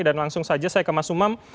dan langsung saja saya ke mas umam